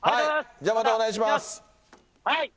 じゃあ、また、お願いします。